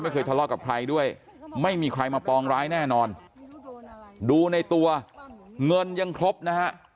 เคยทะเลาะกับใครด้วยไม่มีใครมาปองร้ายแน่นอนดูในตัวเงินยังครบนะฮะ